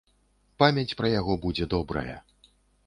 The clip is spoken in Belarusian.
Памяць пра яго будзе добрая.